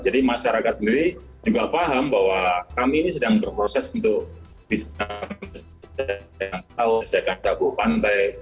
jadi masyarakat sendiri juga paham bahwa kami ini sedang berproses untuk bisa menyelesaikan gabung pantai